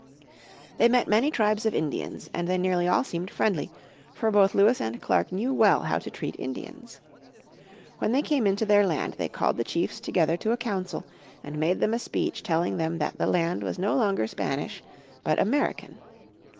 They met many tribes of Indians and they nearly all seemed friendly, for both Lewis and Clark knew well how to treat Indians. When they came into their land they called the chiefs together to a council, and made them a speech telling them that the land was no longer Spanish but American.